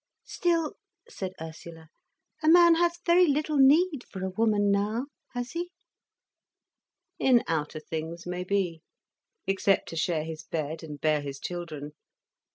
"Still," said Ursula, "a man has very little need for a woman now, has he?" "In outer things, maybe—except to share his bed and bear his children.